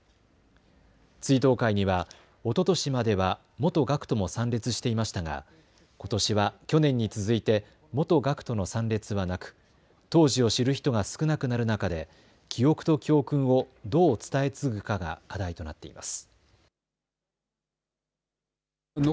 追悼会には、おととしまでは元学徒も参列していましたがことしは去年に続いて元学徒の参列はなく当時を知る人が少なくなる中で記憶と教訓をどう伝え継ぐかが課題となっています。